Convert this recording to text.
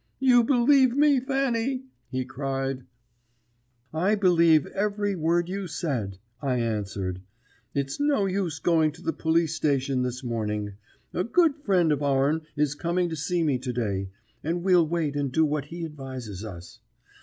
"'You believe me, Fanny!' he cried. "'I believe every word you said,' I answered. 'It's no use going to the police station this morning. A good friend of our'n is coming to see me to day, and we'll wait and do what he advises us.